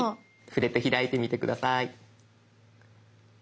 触れて開いてみて下さい。